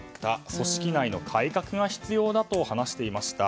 組織内の改革が必要だと話していました。